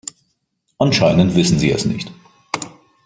Anscheinend wissen Sie es nicht.